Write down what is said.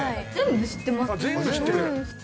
全部知ってます。